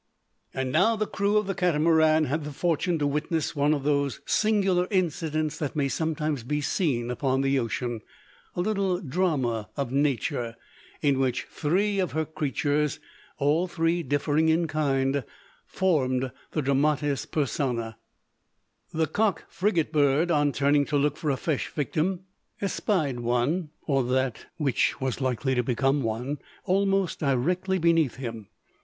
And now the crew of the Catamaran had the fortune to witness one of those singular incidents that may sometimes be seen upon the ocean, a little drama of Nature, in which three of her creatures, all three differing in kind, formed the dramatis persona. The cock frigate bird, on turning to look for a fresh victim, espied one, or that which was likely to become one, almost directly beneath him.